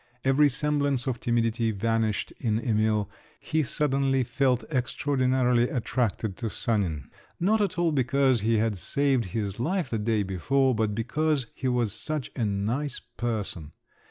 Every semblance of timidity vanished in Emil; he suddenly felt extraordinarily attracted to Sanin—not at all because he had saved his life the day before, but because he was such a nice person!